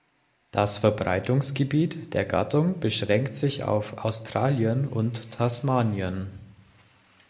Das Verbreitungsgebiet der Gattung beschränkt sich auf Australien und Tasmanien.